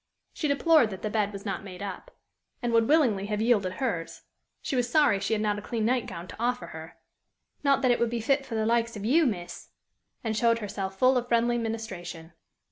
She deplored that the bed was not made up, and would willingly have yielded hers; she was sorry she had not a clean night gown to offer her "not that it would be fit for the likes of you, miss!" and showed herself full of friendly ministration.